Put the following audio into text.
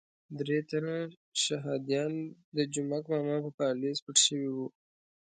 درې تنه شهادیان د جومک ماما په پالیز پټ شوي وو.